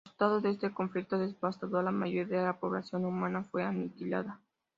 Como resultado de este conflicto devastador, la mayoría de la población humana fue aniquilada.